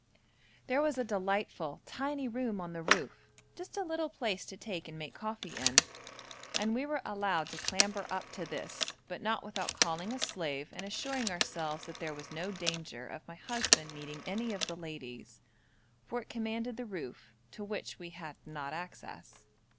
There was a delightful, tiny room on the roof, just a little place to take and make coffee in, and we were allowed to clamber up to this, but not without calling a slave and assuring ourselves that there was no danger of my husband meeting any of the ladies, for it commanded the roof, to which we had not access.